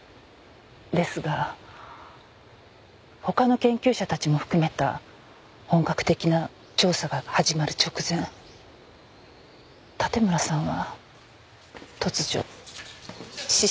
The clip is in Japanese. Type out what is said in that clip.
ですが他の研究者たちも含めた本格的な調査が始まる直前盾村さんは突如失踪してしまったんです。